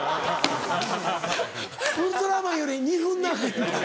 『ウルトラマン』より２分長いんだ。